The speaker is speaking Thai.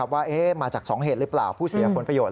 ว่ามาจาก๒เหตุหรือเปล่าผู้เสียผลประโยชน